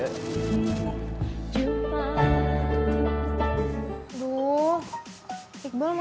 aduh iqbal mana ya